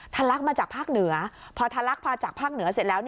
ลักมาจากภาคเหนือพอทะลักมาจากภาคเหนือเสร็จแล้ว